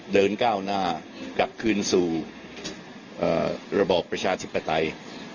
เดินก้าวหน้ากลับคืนสู่ระบอบประชาธิปไตย